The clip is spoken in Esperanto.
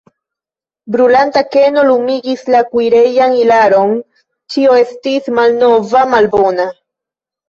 Brulanta keno lumigis la kuirejan ilaron, ĉio estis malnova, malbona.